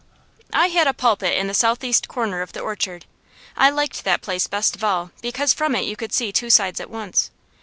I had a pulpit in the southeast corner of the orchard. I liked that place best of all because from it you could see two sides at once.